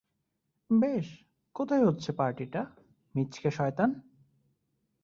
বেশ, কোথায় হচ্ছে পার্টিটা, মিচকে শয়তান?